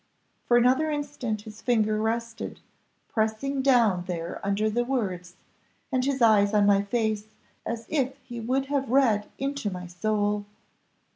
For another instant his finger rested, pressing down there under the words, and his eyes on my face, as if he would have read into my soul.